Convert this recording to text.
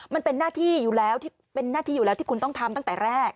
มันเป็นหน้าที่อยู่แล้วที่คุณต้องทำตั้งแต่แรก